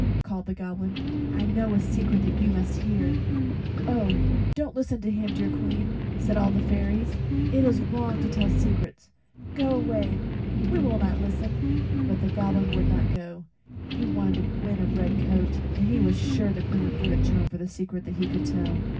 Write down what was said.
called the Goblin. "I know a secret you must hear." "Oh, don't listen to him, dear Queen!" said all the little fairies. "It is wrong to tell secrets. Go away, we will not listen." But the Goblin would not go; he wanted to win a red coat, and he was sure the Queen would give it to him for the secret he could tell.